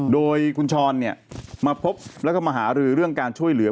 โดยคุณช้อนมาพบแล้วก็มาหารือเรื่องการช่วยเหลือ